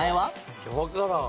いやわからん。